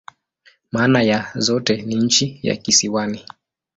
Maana ya zote ni "nchi ya kisiwani.